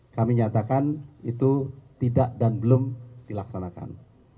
kami nyatakan itu tidak dan belum dilaksanakan